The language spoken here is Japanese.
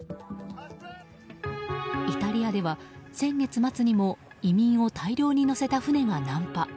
イタリアでは先月末にも移民を大量に乗せた船が難破。